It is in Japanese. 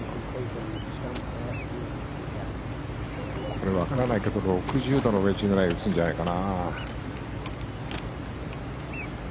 これ、分からないけど６０度のウェッジぐらいで打つんじゃないかな。